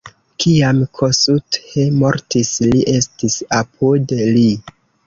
Kiam Kossuth mortis, li estis apud li.